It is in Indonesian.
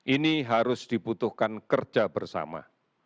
ini harus dibutuhkan kerja bersama